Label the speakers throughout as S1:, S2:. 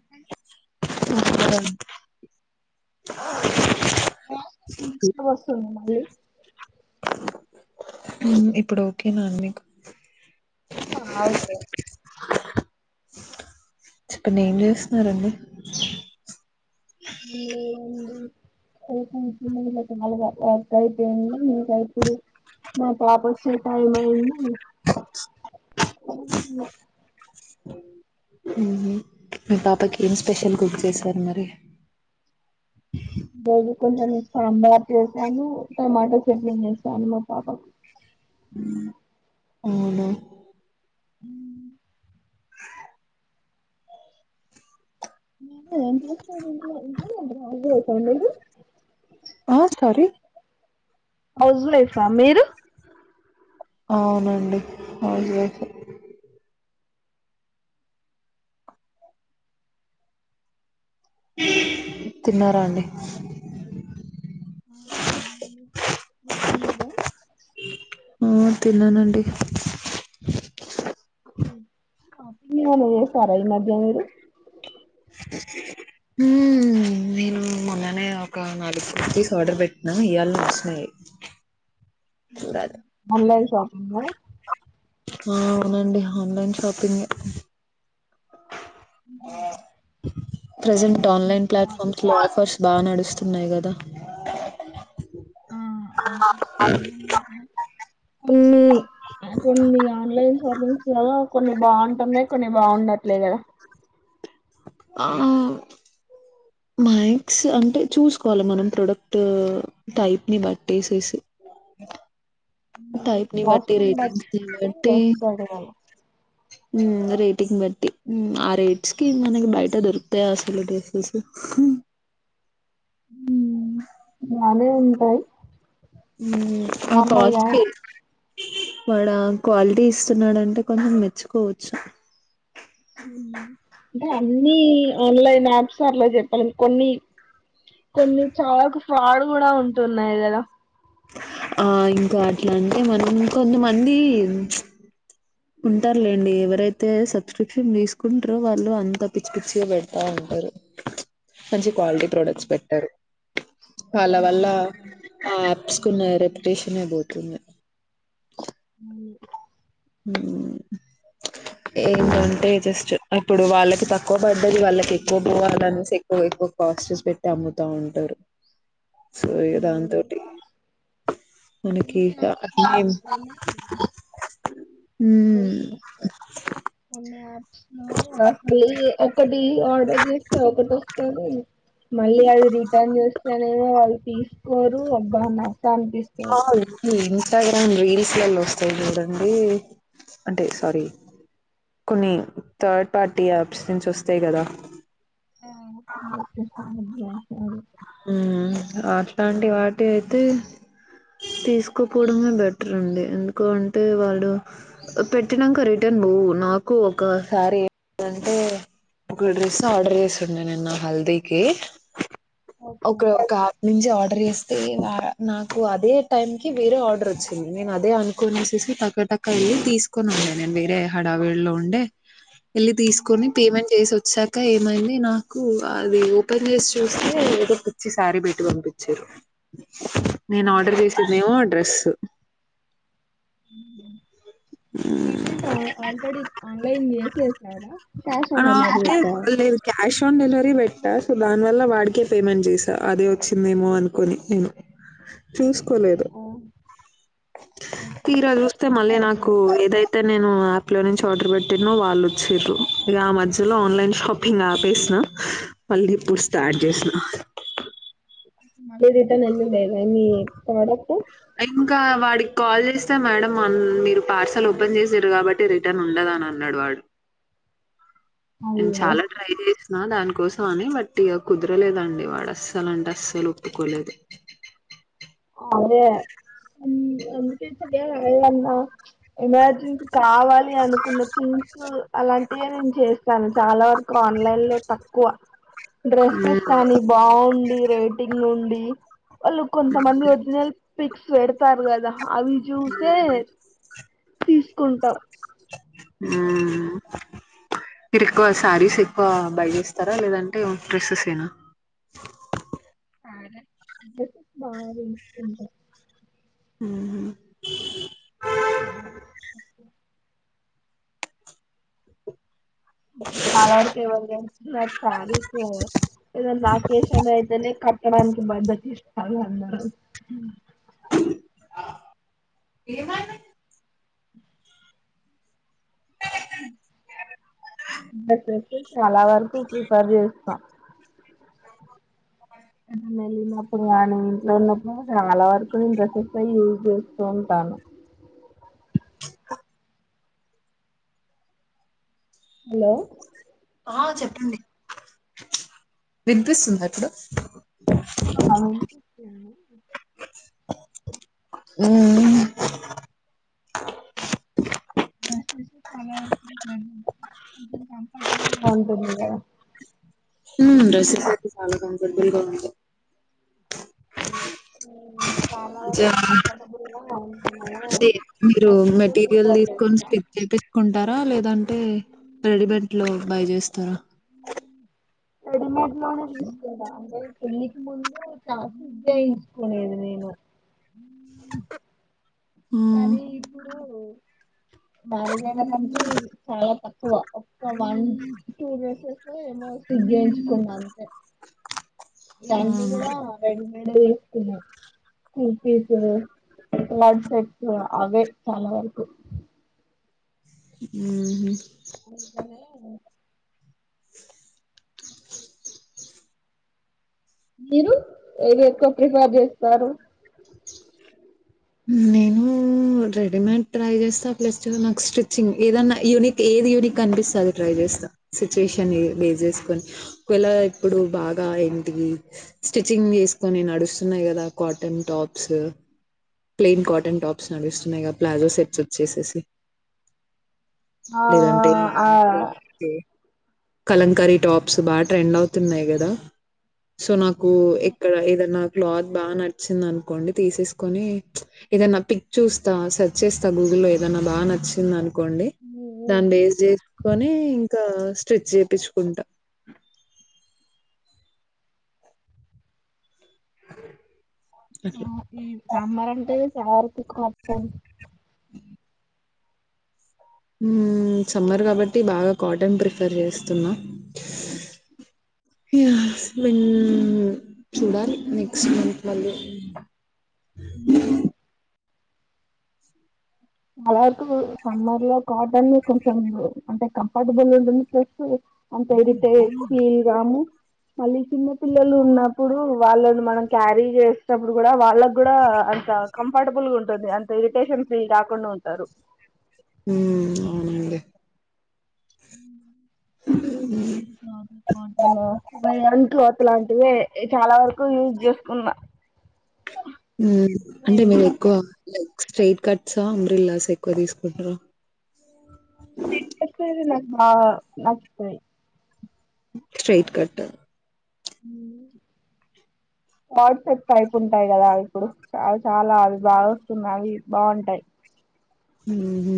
S1: ఆ bye
S2: voice ఉమ్ disturb ఒస్తుంది మళ్ళీ
S1: ఉమ్ ఇప్పుడు ఓకే నా ఆన్ మిక్
S2: వాయిస్
S1: చెప్పండి ఏం చేస్తున్నారండి
S2: హ్మ్ లేదండి. [unintelligible] వర్క్ అయిపోయింది. ఇంకా ఇప్పుడు మా పాప్ ఒచ్చే టైం అయింది.
S1: ఉహు మీ పాపకి ఏం స్పెషల్ కుక్ చేశార్ మరి
S2: దగు కొంచం సాంబార్ చేసాను టమాటా చట్నీ చేసాను మా పాపకు
S1: అవునా
S2: అ మీరు ఏం చేస్తార్ ఇంట్లో ఇంట్లోనే ఉంట్రా [unintelligible] మీరు
S1: ఆ సారి
S2: హుజ్వుల్ ఎష్నా మీరు
S1: అవునండి హౌజ్ వైఫ్ ఎ తిన్నారా అండి.
S2: తిన్నారా
S1: ఆ తిన్నానండి
S2: హ్మ్ షాపింగ్ ఏమైనా చేసారా ఇ మధ్య మీరు
S1: హుమ్మ్ నేను మొన్ననే ఒక నాలుగ్ కుర్తిస్ ఆర్డర్ పెట్టినా. ఈయల్నే ఒచ్చినాయ్ చూడాలే.
S2: ఆన్లైన్ షాపింగ్ ఆహ్
S1: ఆ అవునండి ఆన్లైన్ షాపింగ్ ఎ ప్రెజెంట్ ఆన్లైన్ ప్లాట్ఫార్మ్స్ లో ఆఫర్స్ బా నడుస్తున్నాయ్ కదా
S2: ఆ ఆఫర్స్ బానే ఉన్నయ్ కని కొన్ని కొన్ని ఆన్లైన్ షాపింగ్స్లా కొన్ని బావుంటన్నాయ్ కొన్ని బాగుండట్లే కద
S1: ఆవ్ మైక్స్ అంటే చూసుకోవాల్ మనం ప్రొడక్ట్ టైప్ ని బట్టేసేసి
S2: ఉమ్,
S1: టైప్ ని వట్టి
S2: కాస్ట్యూమ్
S1: రేటింగ్స్ ని
S2: బట్టి
S1: వట్టి
S2: వస్తాడు కదా
S1: రేటింగ్ బట్టి ఆ రేట్స్ కి మనకి బయట దొరుకుతాయా అసలు డ్రెసెస్
S2: అదే ఉంటాయి నార్మల్గా అంటే
S1: వాడ క్వాలిటీ ఇస్తున్నాడంటే కొంచెం మెచ్చుకోవచ్చు
S2: అంటే అన్ని ఆన్లైన్ యాప్స్ అట్లా చెప్పాల కొన్ని కొన్ని చాలాకు ఫ్రాడ్ కూడా ఉంటున్నాయి కదా
S1: ఆ ఇంకా అట్లా అంటే మనం కొంతమంది ఉంటారులేండి ఎవరైతే సబ్స్క్రిప్షన్ తీసుకుంటారో వాళ్ళు అంత పిచ్చి పిచ్చిగా పెడతా ఉంటారు మంచి క్వాలిటీ ప్రోడక్ట్స్ పెట్టారు వాళ్ళ వల్ల యాప్స్ కున్న రెప్యుటేషన్ పోతుంది ఏంటంటే జస్ట్ ఇప్పుడు వాళ్ళకి తక్కువ పడ్డది వాళ్ళకి ఎక్కువ పోవాలనేసి ఎక్కువ ఎక్కువ కాస్టూస్ పెట్టి అమ్ముతా ఉంటారు సో ఇ దా తటి మనకి
S2: మాత్రమే
S1: హ
S2: అ ఒకటి ఆర్డర్ చేస్తే ఒకటి వస్తది మళ్ళీ అది రిటర్న్ చేస్తేనేమో వాళ్ళు తీసు కోరు అబ్బా నా తలా పీకుతారు
S1: ఇంస్టాగ్రామ్ రీల్స్లలో వస్తాయి చూడండి అంటే సారీ కొన్ని థర్డ్ పార్టీ యాప్స్ నుంచి వస్తయి కదా
S2: ఆ
S1: ఉ అట్లాంటి వాటి అయితే తీసుకోపోవడమే బెటర్ అండి ఎందుక అంటే వాళ్ళు పెట్టినాక రిటర్న్ పోవు నాకు ఒకసారి ఏంటే ఒక డ్రెస్ ఆర్డర్ చేసినండి నేను హల్దీకి
S2: ఓకే.
S1: ఒకే ఒక యాప్ నుంచి ఆర్డర్ ఆర్డర్ చేస్తే నాకు అదే టైంకి వేరే ఆర్డర్ వచ్చింది నేను అదే అనుకోని వేసి టక్క టక్క వెళ్ళి తీసుకొని ఉండే నేను వేరే హడావేలో ఉండే వెళ్ళి తీసుకుని పేమెంట్ చేసి వచ్చ ఇంకా ఏమైంది నాకు అది ఓపెన్ చేసి చూస్తే పిచ్చి సారి బెట్టి పంపించారు నేను ఆర్డర్ చేసిందేమో ఆ డ్రెస్
S2: ఉ పేమెంట్ ఆల్రెడీ ఆన్లైన్సి కష్ ఆన్
S1: అని
S2: డెలివరి
S1: అంటే
S2: పెట్టారా
S1: లేదు క్యాష్ దాని వల్ల వాడికే పేమెంట్ చేసా అదే వచ్చిందేమో అనుకోని నేను చూ కొలేదు తీరా చూస్తే మళ్ళీ నాకు ఏదైతే నేను యాప్ లో నుంచి ఆర్డర్ పెట్టిన నా మిస్టేక్ కు ఆ మధ్యలో ఆన్లైన్ షాపింగ్ ఆపేసిన మళ్ళ ఇప్పుడు స్టార్ట్ చేసిన
S2: మళ్ళీ రిటర్న్ వెళ్ళలేదా మీ ప్రొడక్ట్
S1: ఇంకా వాడికి కాల్ చేస్తే మేడం మీరు పార్సల్ ఓపెన్ చేసారు కాబట్టి రిటర్న్ ఉండదా అని అన్నాడు వాడు
S2: అయ్యో
S1: నేనుచాలా ట్రై చేసి నా దాని కోసం అని బట్టిగా కుదరలేదండి వాడు అస్సలు అంటే అస్సలు ఒప్పుకోలేదు
S2: అదే అ కాన్న ఎమర్జెన్సీ కావాలి అనుకున్న థింగ్స్ అలాంటివే నేను చేస్త కానీ చాలా వరకు ఆన్లైన్ లో తక్కువ డ్రెస్సెస్
S1: హ్మ్.
S2: కానీ బాగుంది రేటింగ్ ఉండి వాళ్ళు కో కొంతమంది ఒరిజినల్ పిక్స్ పెడతారు కదా అవి చూసే
S1: హ్మ్.
S2: తీస్ కుంటా
S1: మ్మ్ మీరు ఎక్కువ శారీస్ ఎక్కువ బై చేస్తారా లేదంటే డ్రెస్సెస్ ఏనా
S2: [inaudible]
S1: హ్మ్
S2: చాల వరకు ఎవరు కడుతున్నారు సారీస్ ఏదన్న అకేషన్ అయితేనే కట్టడానికి బద్దకి ఆది అన్నారు
S1: ఏం అయింది
S2: డ్రెస్సెస్ ఏ చాలా వార్ కు ప్రిపర్ చేస్త నేన వెళ్ళినప్పుడు కాని ఇంట్లో ఉన్నప్పుడు చాలా వరకు నేను డ్రెసెస్ యూజ్ చేస్తూ ఉంటాను హలో
S1: ఆ చెప్పండి వినిపిస్తుందా ఇప్పుడు
S2: ఆ
S1: మ్మ్
S2: కంఫర్టబుల్ గా ఉంటుందిగా
S1: మ్మ్ డ్రెస్సెస్ అయితే సన్నగా ఉం పొట్టివిగా ఉంటాయి
S2: అ
S1: జరా
S2: ఉంటుందనే
S1: మీరు
S2: డ్రెస్సెస్
S1: మెటీరియల్
S2: ప్రిఫర్
S1: తీసుకొని
S2: చేస్తా
S1: స్ట్రిచ్ చేయిసుకుంటారా లేదాంటే మ్మ్ రెడమెంట్ లో బయ చేస్తారా
S2: రెడీమేడ్ లోనే తీసుకుంటా అంటే పెళ్లికి ముందు ఇట్ల ఫిట్ చేయించుకునేది నేను
S1: మ్మ్
S2: కానీ ఇప్పుడు మ్యారేజ్ అయినప్పుడు నుంచి చాలా తక్కువ ఒక్క వన్ టూ డేసెస్ ఏమో స్ట్రిచ్ చేయించుకున్నా అంతే అన్ని
S1: అవును
S2: కూడా రెడీమేడ్ వేసుకున్న కుర్తిస్ కో ఆర్డ్ సెట్స్ అవ్వే చాలా వరకు
S1: మ్మ్
S2: అట్లనే మీరు ఏది ఎక్కువ ప్రిఫేర్ చేస్తారు
S1: నేను రెడీమేడ్ ట్రై చేస్తా ప్లస్ నాకు స్టిచ్చింగ్ ఏదన్నా యూనిక్ ఏది యూనిక్ కనిపిస్తే అది ట్రై చేస్తా సిచ్యుయేషన్ బేస్ చేసుకొని ఒక వెల్ల ఇప్పుడు బాగా ఇంటికి స్టిచ్చింగ్ వేసుకొని నడుస్తున్నాయి కదా cotton tops plain cotton tops నడుస్తున్నాయిగా ప్లాజో సెట్స్ వచ్చేసేసి
S2: ఆ
S1: లేదు అంటే
S2: ఆ
S1: కలంకరీ టాప్స్ బా ట్రెండ్ అవుతున్నాయి కదా సో నాకు ఎక్కడ ఏదన్నా క్లాత్ బాగా నచ్చింది అనుకోండి తీసేసుకొని ఏదనా పిక్ చూస్తా సెర్చ్ చేస్తా గూగుల్లో ఏదన్నా బాగా నచ్చిందన్ కోండి దాన్ని బేస్ చేసుకొని ఇంకా స్ట్రిచ్ చేపించుకుంటా అట్లా.
S2: సాంబారు అంటే కారుకు కాం
S1: మ్మ్ సమ్మర్ కాబట్టి బాగా కాటన్ ప్రిఫర్ చేస్తున్నా చూడాలి ఇగ [unintelligible] నెక్స్ట్ మంత్ మళ్ళీ
S2: మ్మ్ అలారకు సమ్మర్ లో కాటన్ కొంచెం అంటే కంఫర్టబుల్గా ఉంటుంది ప్లస్ అంత ఇరిటే ఫీల్గాము మళ్ళీ చిన్న పిల్లోలు ఉన్నప్పుడు వాళ్ళని మనం క్యారీ చేసేప్పుడు కూడా వాళ్ళ కూడా అంత కంఫర్టబుల్ గా ఉంటుంది అంత ఇరిటేషన్ ఫీల్ కా కాకుండా ఉంటారు
S1: మ్మ్ అవునండి
S2: మ్మ్ హలో బయంటు ఈ లాంటివే ఇ చాలా వరకు యూజ్ చేసుకున్నా
S1: మ్మ్ అంటే మేము ఎక్కువ లేదు స్ట్రైట్ కట్స అబ్రిల్లాస్ ఎక్కువ తీసుకుంటార
S2: స్ట్రైట్ కట్ తెలీదు నాకు బాగా అంతే
S1: స్ట్రైట్ కట్
S2: మ్మ్ వాట్సప్ టైప్ ఉంటాయి కదా ఇప్పుడు చ చాలా అవి బాగా వస్తున్నా అవి బాగుంటాయి
S1: హ్మ్ హు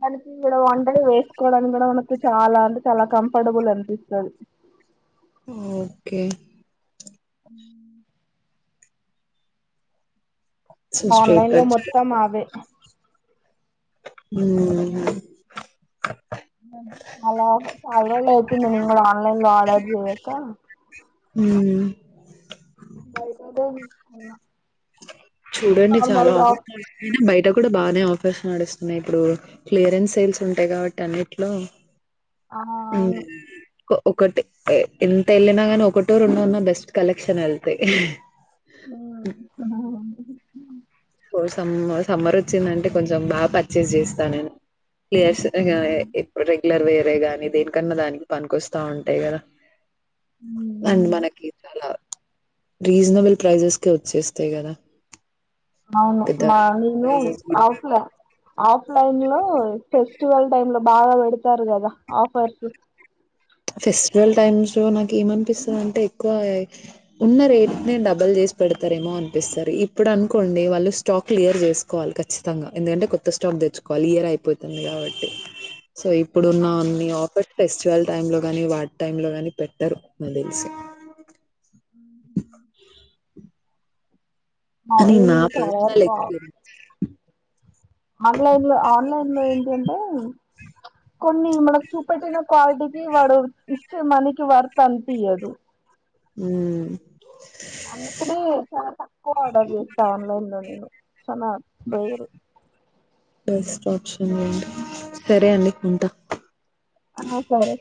S2: దానికి ఇగ ఒంటరి వేసుకోవడానికి కూడా మనకు చాలా అంటే చాలా కంఫర్టబుల్ అనిపిస్తది
S1: ఓకే
S2: మ్మ్
S1: సో స్ట్రెయిట్
S2: ఆన్లైన్ లో
S1: కట్
S2: మొత్తం అవే
S1: మ్మ్
S2: చాలా చాల రోజలు అయితుంది నేను కూడ ఆన్లైన్ లో ఆర్డర్ చేయక
S1: మ్మ్
S2: బయటదే తీసుకున్న
S1: చూడండి చాలా అవ [unintelligible] బయట ట కూడా బానే ఆఫర్స్ నడుస్తున్నాయి ఇప్పుడు క్లియరన్స్ సెల్స్ ఉంటాయి కాబట్టి అన్నిట్లో
S2: ఆహా అవును
S1: ఒక్ ఒకటి ఎంత వెళ్ళినా నీ ఒకటో రెండు ఉన్న బెస్ట్ కలెక్షన్ వెళ్తాయి
S2: మ్మ్ అవునండి
S1: ఇడు సమ్ సమ్మ సమ్మర్ వచ్చిందంటే కొంచెం బాగా పర్చేస్ చేస్తా నేను ప్లేస్ ఇగ ఈ ఏ క్డు రెగ్యులర్ వే తే కాని దేనికన్నా దానికి పనికికొస్తా ఉంటాయి కదా అండ్ మనకి చాలా రీజనబుల్ ప్రైజెస్ కే వచ్చేస్తాయి కదా
S2: అవును మా నను
S1: ప్రైజెస్ కూడా
S2: అవుట్ల ఆఫ్లైన్ లో ఫెస్టివల్ టైమ్ లో బాగా పెడతారు కదా ఆఫర్స్
S1: ఫెస్టివల్ టైమ్స్ లో నాకు ఏమనిపిస్తుందింటే ఎక్కువ ఉన్న రేట్ ని డబల్ చేసి పెడతారేమో అనిపిస్తారు ఇప్పుడు అనుకోండి వాళ్ళు స్టాక్ క్లియర్ చేసుకోవాలి ఖచ్చితంగా ఎందుకంటే కొత్త స్టాక్ తెచ్చుకోవాలి ఇయర్ అయిపోతుంది కాబట్టి సో ఇప్పుడున్న అన్ని ఆఫర్స్ ఫెస్టివల్ టైమ్ లో గాని వాటి టైమ్ లో గాని పెట్టారు నాకు తెలిసి అని నా
S2: నేను చాలా
S1: పర్సనల్
S2: వరకు
S1: ఎక్స్పీరియన్స్
S2: ఆన్లైన్ లో ఆన్లైన్ లో కొంటే కొన్ని మనకి చూపెట్టిన క్వాలిటీకి వాడు ఇచ్చే మనీకి వర్త్ అనిపియ్యాదు
S1: హుమ్మ్
S2: అందుకనే చాలా తక్కువ ఆర్డర్ చేస్తా ఆన్లైన్ లో నేను సనా బేయిరు
S1: బెస్ట్ సరే అండి ఉంటా
S2: ఆ సరే